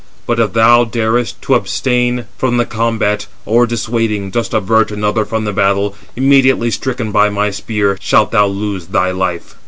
But if thou darest to abstain from the combat, or dissuading, dost avert another from the battle, immediately stricken by my spear, shalt thou lose thy life."